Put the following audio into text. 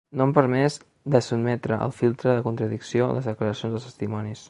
No han permès de sotmetre al filtre de contradicció les declaracions dels testimonis.